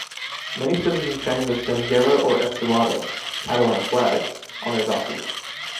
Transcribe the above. Many citizens hang the senyera or estelada (Catalan flags) on their balconies.